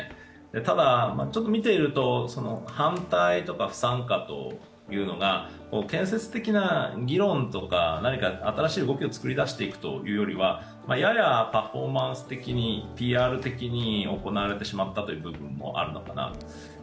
ただ、見ていると反対とか不参加というのが建設的な議論とか、何か新しい動きを作り出していくというよりはややパフォーマンス的にＰＲ的に行われてしまった部分もあるのかなと。